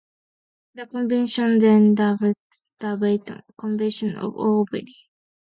The convention then dubbed the 'Baton' Convention by O'Brien.